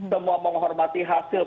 semua menghormati hasil